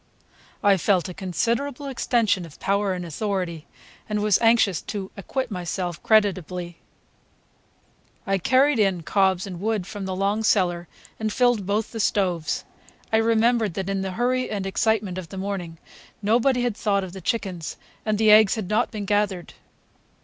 I felt a considerable extension of power and authority, and was anxious to acquit myself creditably. I carried in cobs and wood from the long cellar, and filled both the stoves. I remembered that in the hurry and excitement of the morning nobody had thought of the chickens, and the eggs had not been gathered.